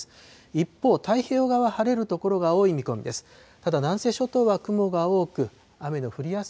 一方、太平洋側、晴れる所が多い見込みです。